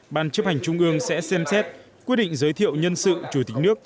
ban chấp hành trung ương sẽ xem xét quyết định giới thiệu nhân sự chủ tịch nước